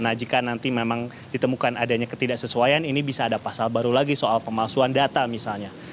nah jika nanti memang ditemukan adanya ketidaksesuaian ini bisa ada pasal baru lagi soal pemalsuan data misalnya